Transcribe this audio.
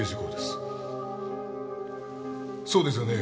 そうですよね？